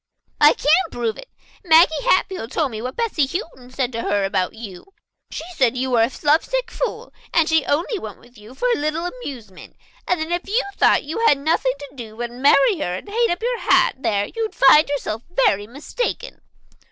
"I can prove it. Maggie Hatfield told me what Bessy Houghton said to her about you. She said you were a lovesick fool, and she only went with you for a little amusement, and that if you thought you had nothing to do but marry her and hang up your hat there you'd find yourself vastly mistaken."